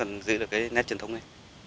vẫn còn giữ được cái nét truyền thống này